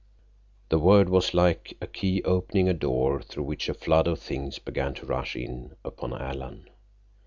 The word was like a key opening a door through which a flood of things began to rush in upon Alan.